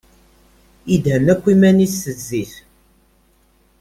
Idhen akk iman-is s zzit.